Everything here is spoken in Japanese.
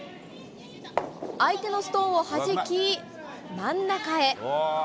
相手のストーンをはじき、真ん中へ。